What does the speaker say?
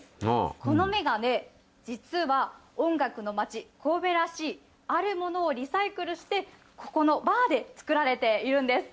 このメガネ、実は音楽の街、神戸らしいあるものをリサイクルして、ここのバーで作られているんです。